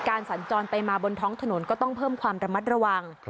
สัญจรไปมาบนท้องถนนก็ต้องเพิ่มความระมัดระวัง